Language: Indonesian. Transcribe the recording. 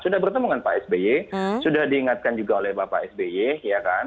sudah bertemu dengan pak sby sudah diingatkan juga oleh bapak sby ya kan